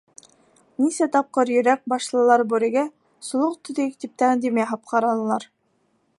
Нисә тапҡыр Йөрәк башлылар Бүрегә, солох төҙөйөк, тип тәҡдим яһап ҡаранылар.